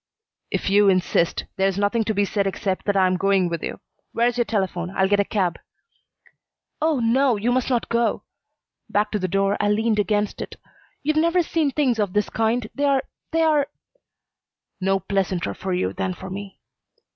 "If you insist, there's nothing to be said except that I am going with you. Where's your telephone? I'll get a cab." "Oh no! You must not go." Back to the door, I leaned against it. "You've never seen things of this kind. They're they're " "No pleasanter for you than for me."